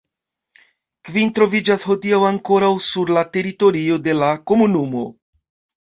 Kvin troviĝas hodiaŭ ankoraŭ sur la teritorio de la komunumo.